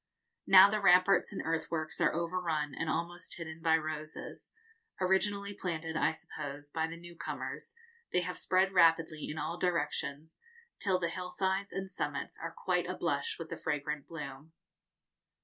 Now the ramparts and earthworks are overrun and almost hidden by roses. Originally planted, I suppose, by the new comers, they have spread rapidly in all directions, till the hill sides and summits are quite a blush with the fragrant bloom.